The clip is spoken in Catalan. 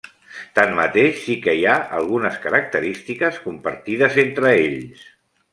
Tanmateix, sí que hi ha algunes característiques compartides entre ells.